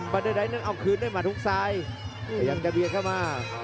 เดอร์ไดทนั้นเอาคืนด้วยหมัดฮุกซ้ายพยายามจะเบียดเข้ามา